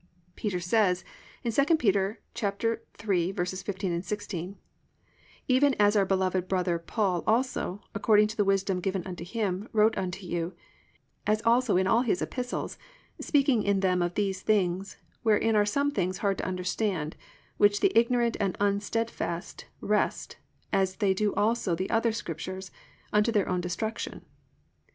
Peter says in 2 Pet. 3:15, 16, +"Even as our beloved brother Paul also, according to the wisdom given unto him, wrote unto you; (16) as also in all his epistles, speaking in them of these things, wherein are some things hard to be understood, which the ignorant and unstedfast wrest, as they do also the other Scriptures, unto their own destruction."